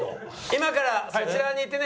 今からそちらに行ってね